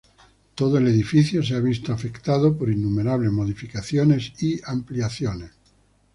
Todo el edificio se ha visto afectado por innumerables modificaciones y ampliaciones.